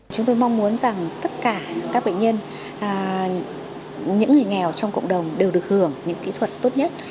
chúng tôi mong muốn rằng tất cả các bệnh nhân những người nghèo trong cộng đồng đều được hưởng những kỹ thuật tốt nhất